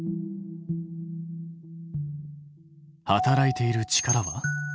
働いている力は？